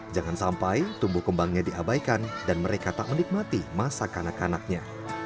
jangan sampai tumbuh kembangnya diabaikan dan mereka tak menikmati masa kanak kanaknya